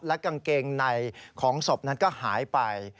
กางเกงในของศพนั้นก็หายไป